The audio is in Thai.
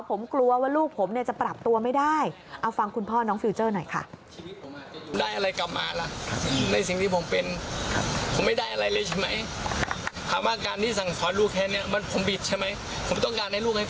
ผมกลัวว่าลูกผมเนี่ยจะปรับตัวไม่ได้เอาฟังคุณพ่อน้องฟิลเจอร์หน่อยค่ะ